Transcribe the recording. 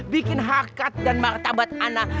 bikin harkat dan martabat anak